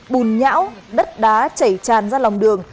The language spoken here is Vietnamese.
bùn nhão đất đá chảy tràn ra lòng đường